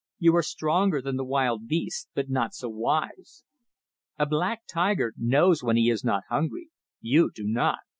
You are stronger than the wild beasts, but not so wise. A black tiger knows when he is not hungry you do not.